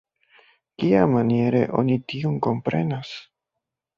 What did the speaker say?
Kiamaniere oni tion komprenas?